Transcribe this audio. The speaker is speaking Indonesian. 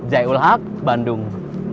zai ul haq bandung